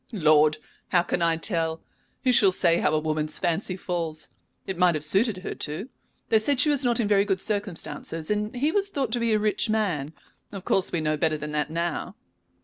"Lord! how can I tell? Who shall say how a woman's fancy falls? It might have suited her too. They said she was not in very good circumstances, and he was thought to be a rich man. Of course we know better than that now."